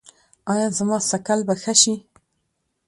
ایا زما څکل به ښه شي؟